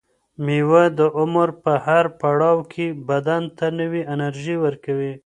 مېوه د عمر په هر پړاو کې بدن ته نوې انرژي ورکوي.